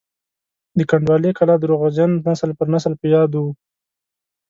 د کنډوالې کلا درواغجن نسل پر نسل په یادو وو.